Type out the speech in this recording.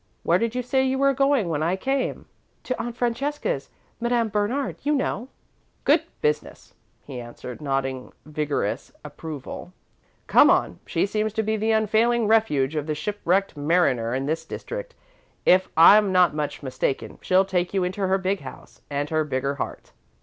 "Where did you say you were going, when I came?" "To Aunt Francesca's Madame Bernard, you know." "Good business," he answered, nodding vigorous approval. "Come on. She seems to be the unfailing refuge of the shipwrecked mariner in this district. If I'm not much mistaken, she'll take you into her big house and her bigger heart."